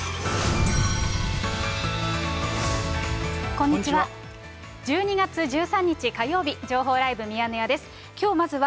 こんにちは。